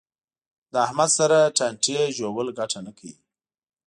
له احمد سره ټانټې ژول ګټه نه کوي.